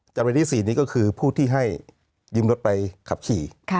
จำเลยที่๔นี้ก็คือผู้ที่ให้ยืมรถไปขับขี่